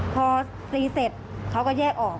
พอตีเสร็จเขาก็แยกออก